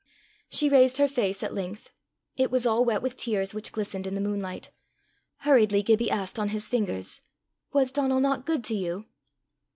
She raised her face at length. It was all wet with tears which glistened in the moonlight. Hurriedly Gibbie asked on his fingers: "Was Donal not good to you?"